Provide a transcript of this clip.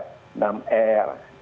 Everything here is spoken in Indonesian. habis itu ada namanya no frill